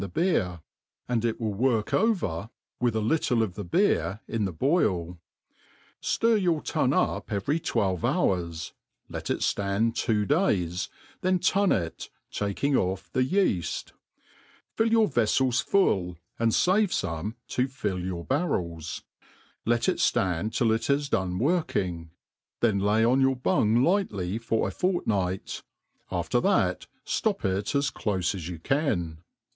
the beer, and it will work over with a little MADE PLAIN AND EAS'V. 307 little of tbe beer in the hoiU Stir your t^n up^ every twelve lK>ur3, let it ftand two days, then tun it, taking oSF the y^aft, j^ill your veSels fol), and fave fome to fill your barrels ; let it ibod till it has done Working; then lay on your bung: lightly for a fortnight, after that ftop it as clofe as you can.